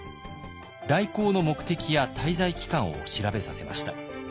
来航の目的や滞在期間を調べさせました。